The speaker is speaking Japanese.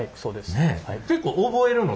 ねえ。